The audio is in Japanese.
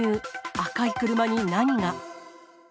赤い車に何が？